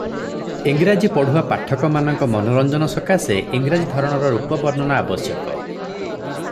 ଇଂରାଜୀ ପଢୁଆ ପାଠକମାନଙ୍କ ମନୋରଞ୍ଜନ ସକାଶେ ଇଂରାଜୀ ଧରଣର ରୂପ ବର୍ଣ୍ଣନା ଆବଶ୍ୟକ ।